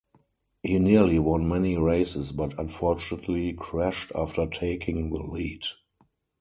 He nearly won many races but unfortunately crashed after taking the lead.